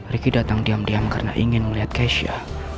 ricky datang diam diam karena ingin melihat keisha